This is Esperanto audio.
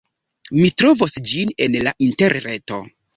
Mi trovos ĝin en la Interreto.